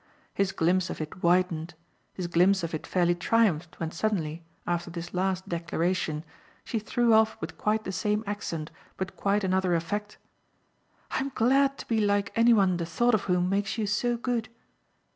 His glimpse of it widened his glimpse of it fairly triumphed when suddenly, after this last declaration, she threw off with quite the same accent but quite another effect: "I'm glad to be like any one the thought of whom makes you so good!